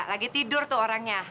lagi tidur tuh orangnya